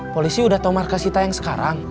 polisi udah tahu markas kita yang sekarang